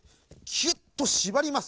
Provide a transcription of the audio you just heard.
キュッとしばります。